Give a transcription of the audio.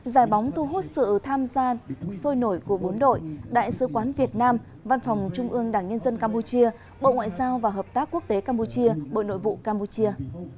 giải bóng thu hút sự tham gia sôi nổi của bốn đội đại sứ quán việt nam văn phòng trung ương đảng nhân dân campuchia bộ ngoại giao và hợp tác quốc tế campuchia bộ nội vụ campuchia